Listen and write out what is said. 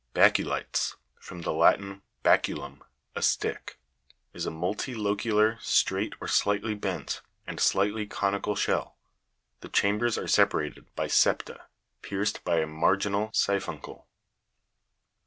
Ba'culiles (from the Latin, ba'culum, a stick) is a multilocular, straight, or slightly bent, and slightly conical shell ; the chambers are separated by septa, pierced by a marginal siphuncle.